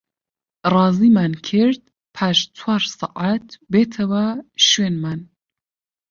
ڕازیمان کرد پاش چوار سەعات بێتەوە شوێنمان